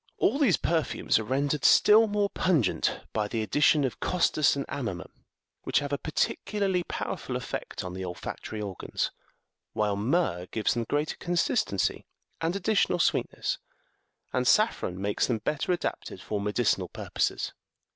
All these perfumes are rendered still more pungent by the addi tion of costus and amomum, which have a particularly power ful effect on the olfactory organs ; while myrrh gives them greater consistency and additional sweetness, and saffron makes them better adapted for medicinal purposes.